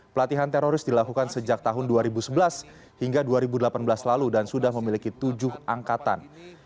pelatihan teroris dilakukan sejak tahun dua ribu sebelas hingga dua ribu delapan belas lalu dan sudah memiliki tujuh angkatan